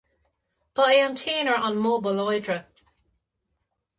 Ba é an t-aonair an modh ba láidre.